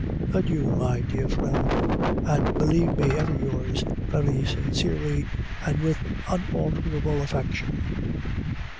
Adieu, my dear friend, and believe me ever yours very sincerely and with unalterable affection.